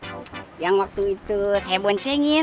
eh kamu yang waktu itu saya boncengin